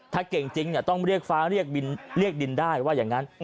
ถ้าเก่งจริงต้องเรียกฟ้าเรียกดินได้ว่าอย่างนั้น